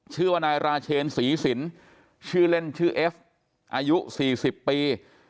ชื่อว่านายราเชนศรีสินชื่อเล่นชื่อเอฟอายุ๔๐ปี